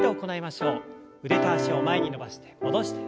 腕と脚を前に伸ばして戻して。